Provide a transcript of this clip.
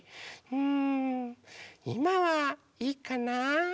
うんいまはいいかな。